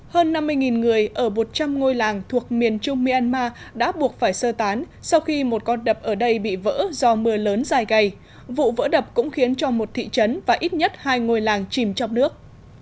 hơn năm mươi người ở một trăm linh ngôi làng thuộc miền trung myanmar đã buộc phải sơ tán sau khi một con đập ở đây bị vỡ do mưa lớn dài ngày vụ vỡ đập cũng khiến cho một thị trấn và ít nhất hai ngôi làng chìm trong nước